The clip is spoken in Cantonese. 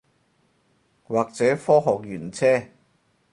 或者科學園車